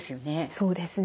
そうですね。